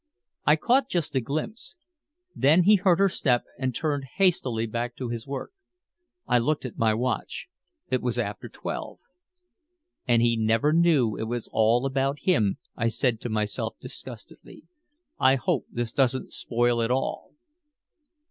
I caught just a glimpse. Then he heard her step and turned hastily back to his work. I looked at my watch. It was after twelve. "And he never knew it was all about him," I said to myself disgustedly. "I hope this doesn't spoil it all."